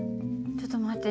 ちょっと待って。